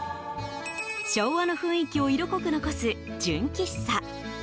昭和の雰囲気を色濃く残す純喫茶。